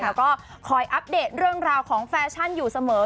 แล้วก็คอยอัปเดตเรื่องราวของแฟชั่นอยู่เสมอ